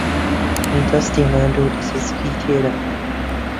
دەستی ماندوو لەسەر زگی تێرە.